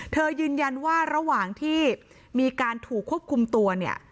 เธอยืนยันว่าระหว่างที่มีการถูกควบคุมตัว